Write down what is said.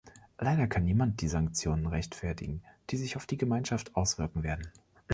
Leider kann niemand die Sanktionen rechtfertigen, die sich auf die Gemeinschaft auswirken werden.